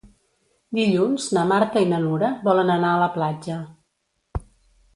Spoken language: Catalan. Dilluns na Marta i na Nura volen anar a la platja.